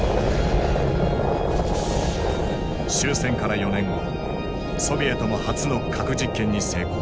終戦から４年後ソビエトも初の核実験に成功。